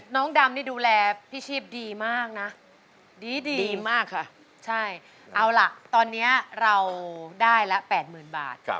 ดำนี่ดูแลพี่ชีพดีมากนะดีมากค่ะใช่เอาล่ะตอนนี้เราได้ละ๘๐๐๐บาท